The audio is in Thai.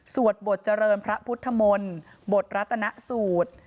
บทเจริญพระพุทธมนตร์บทรัตนสูตร